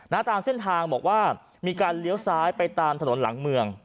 ตามเส้นทางบอกว่ามีการเลี้ยวซ้ายไปตามถนนหลังเมือง